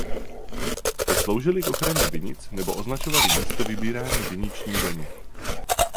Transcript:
Ty sloužily k ochraně vinic nebo označovaly místo vybírání viniční daně.